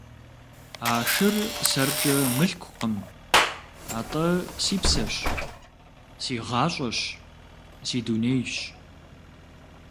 А шыр сэркӀэ мылъкукъым, атӀэ си псэщ, си гъащӀэщ, си дунейщ.